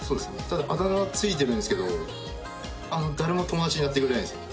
ただあだ名は付いてるんですけど誰も友達になってくれないんですよ。